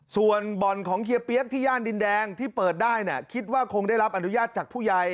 ส่วนบ่อนของเฮียเปี๊ยกที่ย่านดินแดงที่เปิดได้คิดว่าคงได้รับอนุญาตจากผู้ใหญ่